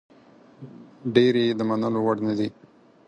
ډېرې یې د منلو وړ نه دي.